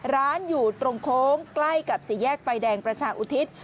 ร้านอยู่ตรงโค้งใกล้กับสี่แยกไฟแดงประชาอุทิศ